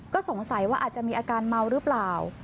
ก็สงสัยว่าอาจจะมีอาการเมาหรือเปล่า